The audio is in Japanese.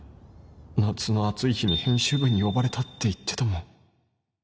夏の暑い日に編集部に呼ばれたって言ってたもん